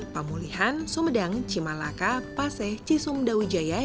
pamulihan sumedang cimalaka paseh cisumdawu jaya